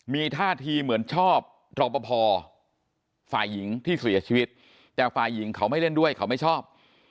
มีท่าทีเหมือนชอบรอปภฝ่ายหญิงที่เสียชีวิตแต่ฝ่ายหญิงเขาไม่เล่นด้วยเขาไม่ชอบ